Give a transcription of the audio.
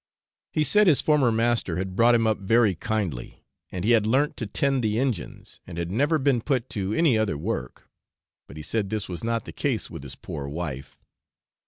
He said his former master had brought him up very kindly, and he had learnt to tend the engines, and had never been put to any other work, but he said this was not the case with his poor wife.